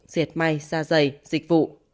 diệt may xa dày dịch vụ